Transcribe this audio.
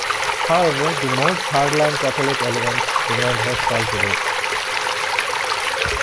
However, the most hardline Catholic elements remained hostile to it.